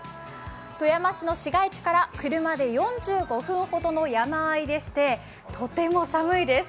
富山市の市街地から車で４５分ほどの山あいでとても寒いです。